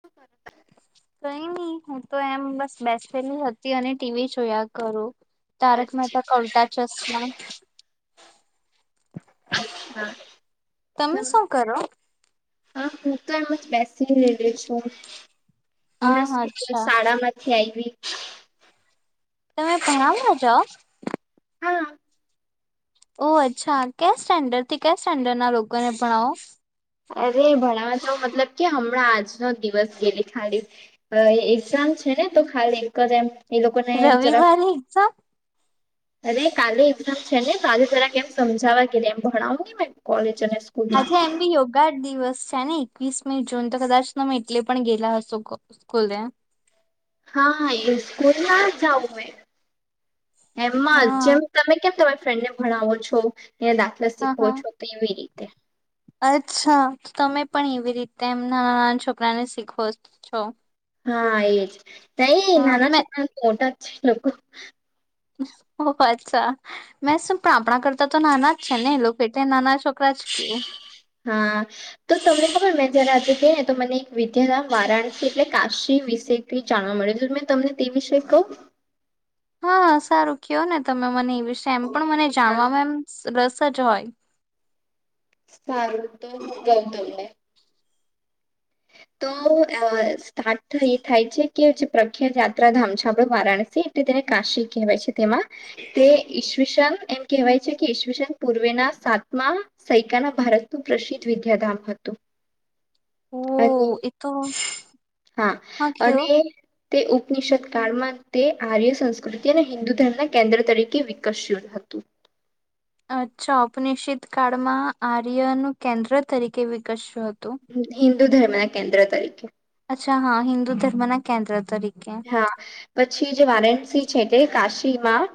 શ કર કઈ નહી હું તો એમ બસ બેસેલી હતી અને ટીવી જોયા કરું કરું. તારક અચ્છા મહેતા કા ઉલટા ચશ્મામાં હા તમે શું કરો હા હું તો એમ જ બેસી રહેલી છું હમણાં હ સ્કૂલ અચ્છા શાળા માંથી આવી તમે ભણમાં જઓ હા ઓ અચ્છા ક્યા સ્ટેન્ડર્ડ થી ક્યા સ્ટેન્ડર્ડ ના લોકોને ભણાવો અરે ભણવા તો મતલબ કે હમણાં આજનો દિવસ ગેલી ખાલી એક્ઝામ છે ને તો ખાલી એક જ એમ એ લોકોને એમ જરાક રવિવાર એ એક્ઝામ અરે કાલે એક્ઝામ છે ને કાલે જરા કે એમ સમજાવવા કે એમ ભણાવું ને કોલેજ સ્કૂલમાં ગાઢ દિવસ છે ને એકવીસમી જૂન તો કદાચ એટલે પણ ગેલા હશો સ્કૂલે હા એ સ્કૂલ ના જ જવું હ એમાં હા જેમ તમે કેમ ફ્રેન્ડને ભણાવો છો ત્યાં દાખલા હા શીખવો હા. છો તો એવી રીતે [inaudible] અચ્છા તમે પણ એવી રીતે એમ નાના નાના છોકરાને શીખો છો હા એજ નઈ હા નાના મે છોકરા મોટા લોકો ઓ અચ્છા મે સુપણા આપણા કરતા તો નાના જ છે ને લોકો એટ નાના છોકરા જ કે હા તો તમને ખબર મેં જયારે આજે ગઈ ને તો મને એક વિદ્યાધામ વારાણસી એટલે કાશી વિષય જાણવા મળે હત મેં તમને તે વિષ કહ હા સારું કયો ને તમે મને એ એમ પણ મને હા, જાણવાવામાં એમ રસ જ હોય સારું તો હું કવ તમને તો સ્ટાર્ટ એ થાય છે કે જે પ્રખ્યાત યાત્રાધામ છે આપડ વારાણસી એટલે તેને કાશી કહેવાય છે તેમાં તે ઈશવીશન એમ કહેવાય છે કે ઈસવીસન પૂર્વેના સાતમા સૈકાના ભારતનું પ્રસિદ્ધ વિદ્યાધામ હતું અને ઓ એ તો હા હા કયો અને તે ઉપનિષદ કાળમાં તે આર્ય સંસ્કૃતિ અને હિન્દુ ધર્મના કેન્દ્ર તરીકે વિકસ હતું અચ્છા નિષ્સીત કળમાં આર્ય ન કેન્દ્ર તરીકે વિકસ્યું હતું હિન્દુ ધર્મ કેન્દ્ર તરીકે અચ્છા હા હિન્દુ ધર્મ ના કેન્દ્ર તરીકે હા, પછી જે વારાણસી છે તે કાશી એમાં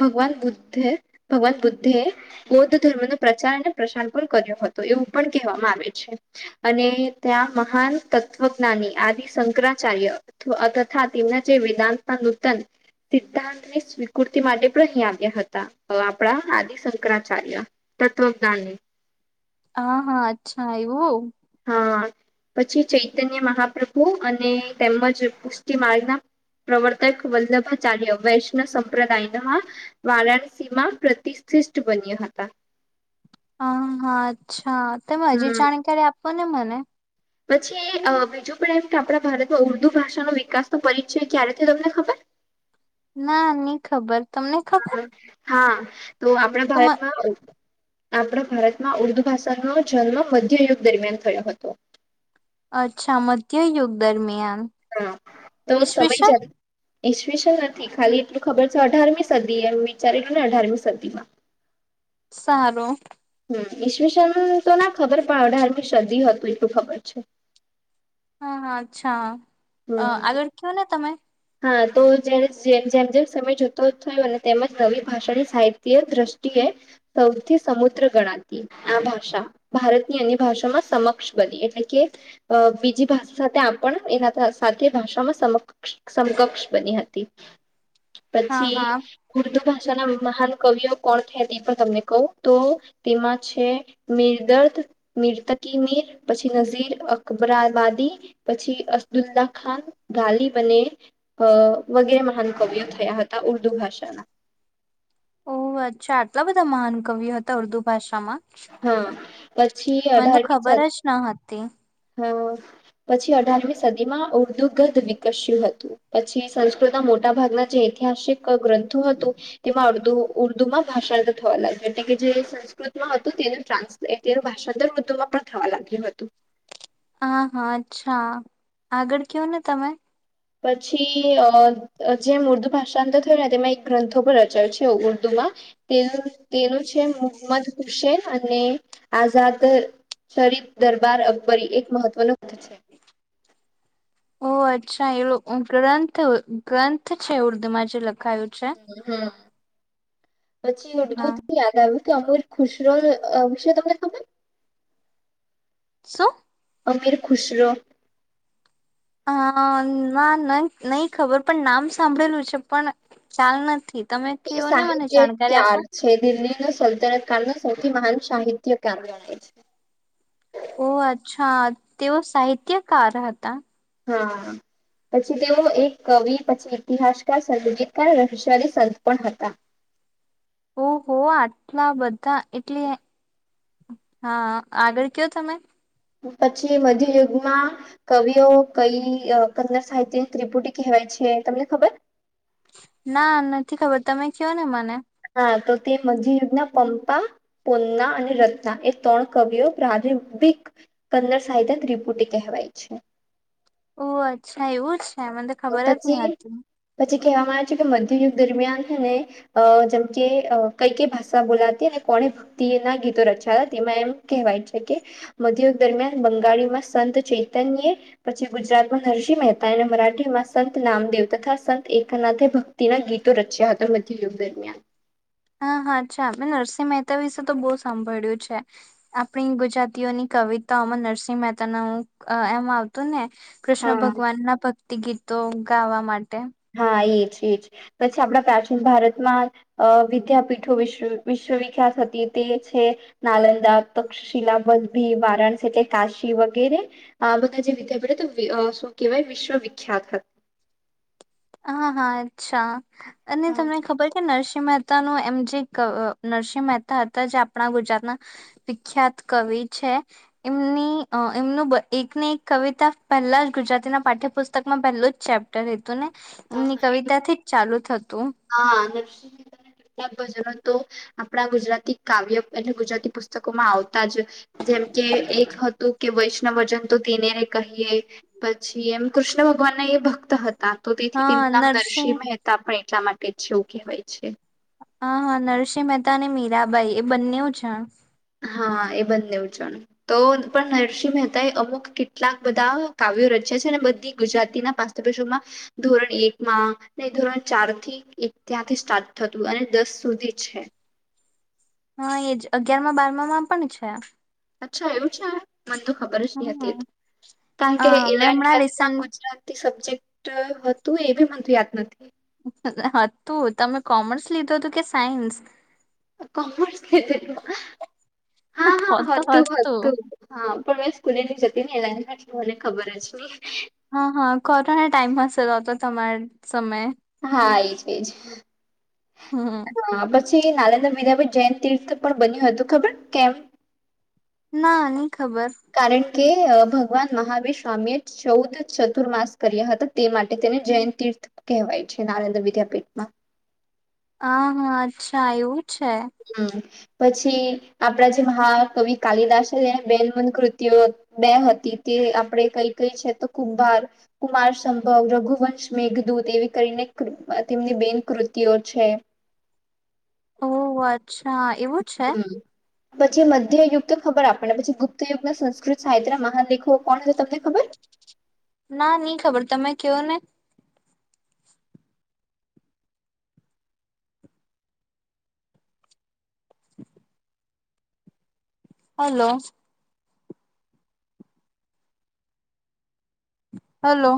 ભગવાન બુદ્ધે, ભગવાન બુદ્ધે બૌદ્ધ ધર્મનો પ્રચાર અને પ્રસાર પણ કર્યો હતો એવું પણ કહેવામાં આવે છે અને ત્યાં મહાન તત્વજ્ઞાની આદિ શંકરાચાર્ય હા, તેમના જે વેદાંતના નૂતન સિદ્ધાંતની સ્વીકૃતિ માટે પણ અહીં આવ્યા હતા. આપણા આદિશંકરાચાર્ય તત્વજ્ઞાની હા, હા અચ્છા આયવું. હા, પછી ચૈતન્ય મહાપ્રભુ અને તેમજ પુષ્ટિ માર્ગના પ્રવર્તક વલ્લભાચાર્ય વૈષ્ણ સંપ્રદાયના વારાણસીમાં પ્રતિષિષઠ બન્યા હતા. હા, હા અચ્છા. હા, તમે હજી હમ જાણકારી આપો ને મને પછી અ બીજું પણ એમ કે આપણા ભારતમાં ઉર્દુ ભાષાનો વિકાસનો પરિચય ક્યારે તમને ખબર? ના, ની ખબર. તમને ખબર હા. તો આપણા તો ભારતમાં હોય. આપણા ભારતમાં ઉર્દુ ભાષાનો જન્મ મધ્યયુગ દરમિયાન થયો હતો. અચ્છા, મધ્યયુગ દરમિયાન. હમ, તો સમય ઈસવીસન જતાં ઈશવીસ નથી ખાલી એટલું ખબર છે અઢારમી સદીએ વિચારી લો ને અઢારમી સદીમાં સારું. [unintelligible] ટયુશન તો ના ખબર પણ શરદી હતું, એટલું ખબર છે. હા, હા અચ્છા. અ હમ આગળ કીધેલું ને તમે હા તો, જ્યારે જેમ જેમ જેમ સમય જતો થયો ને તેમજ નવી ભાષાની સાહિત્ય દ્રષ્ટિએ સૌથી સમુદ્ર ગણાતી આ ભાષા. ભારતની અન્ય ભાષામાં સમક્ષ બની એટલે કે બીજી ભાષા સાથે આપણ એના સાથે ભાષામાં સમક્ષ સમકક્ષ બની હતી. હા પછી હા [unintelligible] પછીના મહાન કવિઓ કોણ છે તે પણ તમને કહું, તો તેમાં છે મિરદર્દ મિર્તકી મીર, પછી નઝીર અકબરાબાદી, પછી અસદુલ્લા ખાન ગલીબને અ વગેરે મહાન કવિઓ થયા હતા ઉર્દુ ભારે [inaudible] ઓહ અચ્છા, આટલા બધા મહાન કવિઓ હતા ઉર્દુ ભાષામાં. હા, પછી અઢાર કે છ તે [unintelligible] હ, પછી અઢારમી સદીમાં ઉર્દુગધ વિકસ્યું હતું પછી સંસ્કૃતના મોટા ભાગના જે ઐતિહાસિક ગ્રંથો હતું તેમાં ઉર્દુમાં ભાષાંતર થવા લાગ્યું એટલે કે, જે સંસ્કૃતમાં હતું તેનું ટ્રાન્સલેટ તેનું ભાષાંતર ઉર્દુમાં પણ થવા લાગ્યું હતું. હા હા અચ્છા, આગળ કેવો ને તમે. પછી અ જેમ ઉર્દુ ભાષાંતર થયું ને તેમાં એક ગ્રંથો પર રચાય છે ઉર્દુમાં તેનું તેનું છે મોહમ્મદ હુસેન અને આઝાદ શરીફ દરબાર અકબરી એક મહત્વનો પ [unintelligible] છે. ઓહ અચ્છા એ ગ્રંથ, ગ્રંથ છે ઉર્દુમાં જે લ ખાયું છે. હમ પછી હા [unintelligible] યાદ આવ્યું મર ખુશરો વિષય તમને ખબર શું અમીર ખુશરો. હ ના નહી ખબર પણ નામ સાંભળેલું છે પણ ખાલ નથી. તમે એ કયો ને મને જાણકારી આપો સાહિત્યકાર છે દિલ્હી નુ સલ્તનત કાળ નો સૌથી મહાન સાહિત્યકાર ગણાય છે. ઓ અચ્છા તેઓ સાહિત્યકાર હતા. હા પછી તેઓ એક કવિ પછી ઇતિહાસકાર સગીતકાર રહશવાલી સંત પણ હતા. ઓહો આટલા બધા એટલી હા આગળ કયો તમે. પછી મધ્યયુગમાં કવિઓ કઈ કર સાહિત્ય ત્રિપુટી કહેવાય છે તમને ખબર. ના નથી ખબર તમે કયો ને મને. તો તે મધ્યયુ્ના પંપા પોન્ના અને રત્ના એ ત્રણ કવિઓ પ્રારંભિક કન્નડ સાહિત્ય ત્રિપુટી કહેવાય છે. ઓ અચ્છા એવું જ હે મને તો ખબર જ ની પછી હતી. પછી કહેવામાં આવે છે કે મધ્ય યુગ દરમિયાનને અ જેમ કે કઈ કઈ ભાષા બોલાતી અને કોને ભક્તિ એ ના ગીતો રચાતા તેમાં એમ કહેવાય છે કે મધ્યયુગ દરમિયાન બંગાળીમાં સંત ચૈતન્ય પછી ગુજરાત માં નરસિં મહેતા અને મરા કેમાં સંત નામદેવ તથા સંત એકનાથે ભક્તિના ગીતો રચ્યા હતા મધ્યયુગ દરમિયાન. હા હા અચ્છા મે નરસિંહ મહેતા વિશે તો બહુ સાંભળ્યું છે આપણી ગુજરાતીઓની કવિતાઓમાં નરસિંહ મહેતા નુ હું એમ આવતું ને. કૃષ્ણ હા ભગવાન ના ભક્તિ ગીતો. ગાવા માટે. હા એજ એજ પછી આપણા પ્રાચીન ભારતમાં વિદ્યાપીઠો વિશ્વ વિશ્વવિખ્યાત હતી તે છે નાલંદા તક્ષશિલા વલભી વારાણસી એટલે કાશી વગેરે બધા જે વિદ્યાપીઠ શું કહેવાય વિશ્વવિખ્યાત હતા. હા હા અચ્છા. અને હા તમને ખબર છે નર્સ મહેતા ન એમ જે નરસિંહ મહેતા હતા જે આપણા ગુજરાતના વિખ્યાત કવિ છે એમની એમનું એક ને એક કવિતા પહેલા જ ગુજરાતીના પાઠ્યપુસ્તકમાં પહેલું જ ચેપ્ટર રેતું ને. હા એમની કવિતા થી જ ચાલુ થતું. હા નરસિંહ મહેતાના કેટલાક ભજનો તો આપણા ગુજરાતી કાવ્ય અને ગુજરાતી પુસ્તકોમાં આવ તાજ જેમ કે એક હતું. કે વૈષ્ણવજન તો તેને ર કહીએ પછી એમ કૃષ્ણ ભગવાન ના એ ભક્ત હતા. તો તેથી હા તેમનું નામ નરસિંહ નરસિં મહેતા પડ એટલા માટે છે એવું કહેવાય છે. હા હા નરસિંહ મહેતા અને મીરાબાઈ એ બંનેવ જન હા એ બનેવ જણ તો પણ નરસિંહ મહેતા એ અમુક કેટલાક બધા કાવ્યો રચ્યા છે અને બધી ગુજરાતીના પાઠ્યપુસ્તક માં ધોરણ એકમાં ધોરણ ચાર થી એક ત્યાંથી સ્ટાર્ટ થતું અને દસ સુધી છે. હા એજ અગિયાર માં બારમા માં પણ છે. અચ્છા એવું છે. મને તો ખબર જ ની હતી કારણ કે હા મેં ઇલેવન હમણાં ટ્વેલવ માં રિસન્ટ ગુજરાતી શબ્દો ચેપ્ટર હતું એ બી મને યાદ નથી. હતું તમે કોમર્સ લીધું હતું કે સાયન્સ. કોમર્સ લીધેલું હા હા હતું હતું હા પણ મેં સ્કૂલે ની જતી ને એ. મને ખબર જ ની તમારે સમય. હા એજ એજ. હમ હા પછી નારેદ્ર વિીરાભાઈ જૈન તીર્થ પણ બન્યું હતું ખબર કેમ ના નહી. ખબર કારણ કે ભગવાન મહાવીર સ્વામી એ ચૌદ ચતુર્માસ કર્યા હતા તે માટે તેને જૈન તીર્થ કહેવાય છે. નારેંદ્ર વિદ્યાપીઠમાં હ હા અચ્છા આવું હમ પછી આપણા જે મહાકવિ કાલિદાસ તે બેન મન કૃતિઓ બે હતી તે આપણે કઈ કઈ છે તો કુભાર કુમાર સંભવ રઘુવંશ મેઘદૂત એવી કરીને તેમની બેન કૃતિયો છે ઓહ વા અચ્છા એવું છે, હમ. પછી મધ્ય યુગ તો ખબર આપને પછી ગુપ્ત યુગના સંસ્કૃત સાહિત્ય મહાદેખો કોણ છે તમને ખબર ના નઈ ખબર તમે કવો ને હલોો,,, હેલો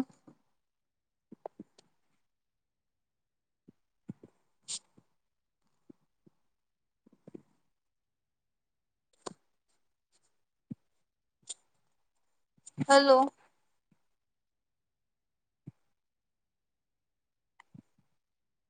હલો